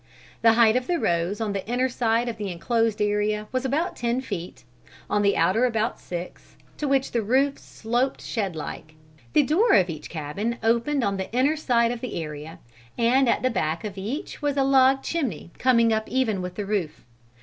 The height of the rows on the inner side of the enclosed area was about ten feet, on the outer about six, to which the roofs sloped shed like. The door of each cabin opened on the inner side of the area, and at the back of each was a log chimney coming up even with the roof.